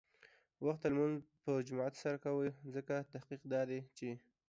وخته لمونځ په جماعت سره کوه، ځکه تحقیق دا دی چې